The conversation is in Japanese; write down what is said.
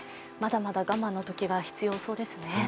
まだまだ我慢のときが必要そうですね。